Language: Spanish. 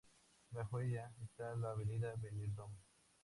Bajo ella, está la avenida Benidorm.